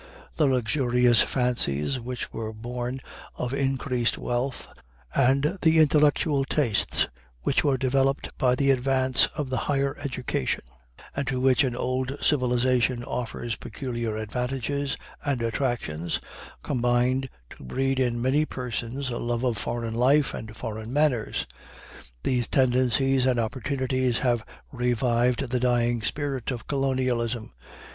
The luxurious fancies which were born of increased wealth, and the intellectual tastes which were developed by the advance of the higher education, and to which an old civilization offers peculiar advantages and attractions, combined to breed in many persons a love of foreign life and foreign manners. These tendencies and opportunities have revived the dying spirit of colonialism.